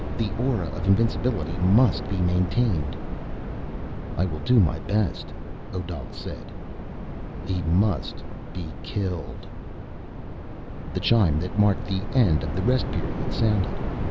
The aura of invincibility must be maintained." "I will do my best," Odal said. "He must be killed." The chime that marked the end of the rest period sounded.